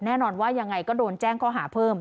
แน่นอนว่ายังไงก็โดนแจ้งข้อหาเพิ่ม